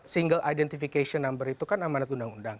single identification number itu kan amanat undang undang